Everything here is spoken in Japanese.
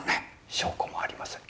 証拠もありません。